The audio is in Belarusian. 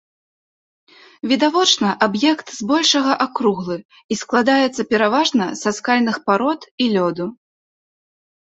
Відавочна, аб'ект збольшага акруглы, і складаецца пераважна са скальных парод і лёду.